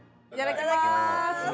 いただきます。